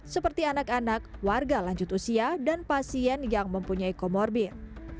seperti anak anak warga lanjut usia dan pasien yang mempunyai comorbid